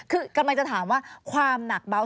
คือกำลังจะถามว่าความหนักเบา